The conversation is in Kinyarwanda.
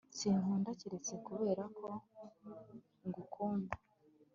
Sinkunda keretse kuberako ngukunda